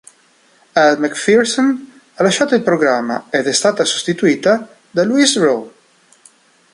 Elle Macpherson ha lasciato il programma ed è stata sostituita da Louise Roe.